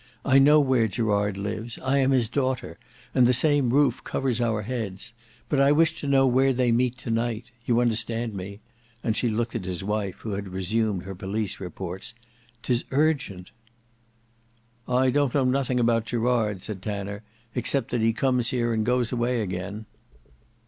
I know where Gerard lives: I am his daughter, and the same roof covers our heads. But I wish to know where they meet to night—you understand me;" and she looked at his wife, who had resumed her police reports; "'tis urgent. "I don't know nothing about Gerard," said Tanner, "except that he comes here and goes away again."